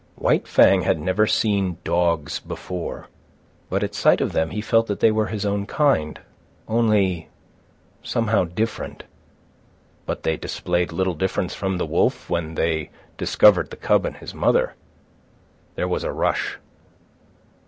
White Fang had never seen dogs before, but at sight of them he felt that they were his own kind, only somehow different. But they displayed little difference from the wolf when they discovered the cub and his mother. There was a rush.